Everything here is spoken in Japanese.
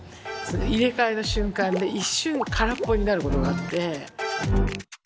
入れ替えの瞬間で一瞬空っぽになることがあって。